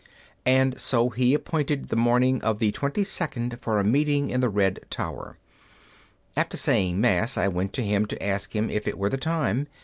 And so he appointed the morning of the 22d for a meeting in the red tower. After saying Mass I went to him to ask him if it were the time.